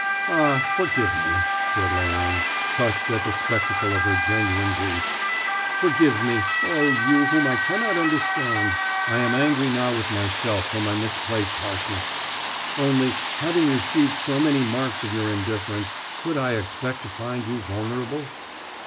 "Ah, forgive me," said Léon, touched at the spectacle of her genuine grief, "forgive me, O you whom I cannot understand. I am angry now with myself for my misplaced harshness! Only, having received so many marks of your indifference, could I expect to find you vulnerable?"